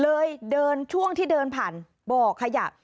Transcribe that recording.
เลยเดินช่วงที่เดินผ่านบ่อขยะ